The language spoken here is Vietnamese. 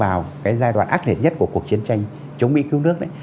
vào cái giai đoạn ác liệt nhất của cuộc chiến tranh chống mỹ cứu nước đấy